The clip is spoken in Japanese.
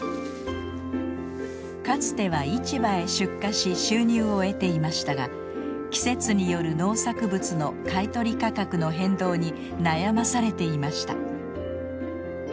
かつては市場へ出荷し収入を得ていましたが季節による農作物の買い取り価格の変動に悩まされていました。